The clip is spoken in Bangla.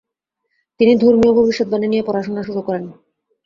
তিনি ধর্মীয় ভবিষ্যদ্বাণী নিয়ে পড়াশোনা শুরু করেন।